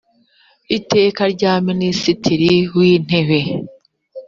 iteka rya minisitiri wintebe